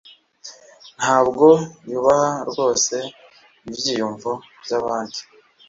Ntabwo yubaha rwose ibyiyumvo byabandi